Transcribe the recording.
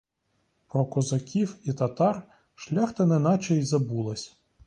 Про козаків і татар шляхта неначе й забулась.